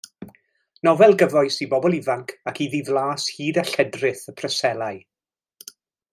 Nofel gyfoes i bobl ifanc ac iddi flas hud a lledrith y Preselau.